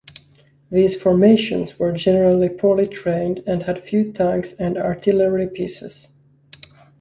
These formations were generally poorly trained and had few tanks and artillery pieces.